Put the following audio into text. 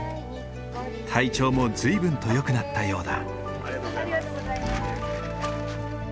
体調も随分とよくなったようだ。